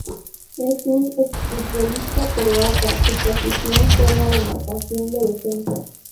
Es un ex-futbolista croata su posición fue la demarcación de defensa.